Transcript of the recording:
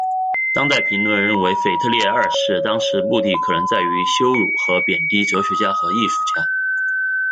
当代评论认为腓特烈二世当时目的可能在于羞辱和贬低哲学家和艺术家。